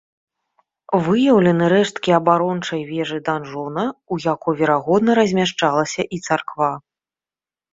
Выяўлены рэшткі абарончай вежы-данжона, у якой, верагодна, размяшчалася і царква.